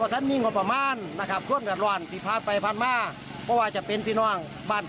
ก็ประสานไปประสานไปน้ำ